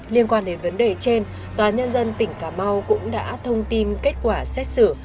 liên quan đến vấn đề trên tòa nhân dân tỉnh cà mau cũng đã thông tin kết quả xét xử